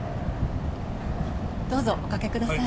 どうぞお掛けください。